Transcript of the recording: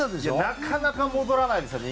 なかなか戻らないですよ